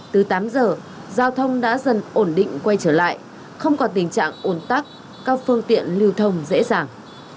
từ tám giờ giao thông đã dần ổn định quay trở lại không còn tình trạng ồn tắc các phương tiện lưu thông dễ dàng